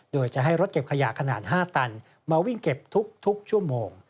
โดยจะให้รถเก็บขยะขนาด๕ตันมาวิ่งเก็บทุกชั่วโมง